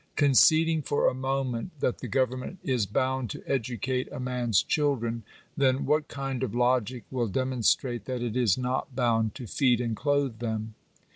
Conceding for a moment that the government is bound to edu cate a man's children, then, what kind of logic will demonstrate that it is not bound to feed and clothe them